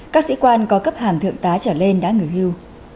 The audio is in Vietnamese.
các sĩ quan có cấp hàm thượng tá trở lên đã nghỉ hưu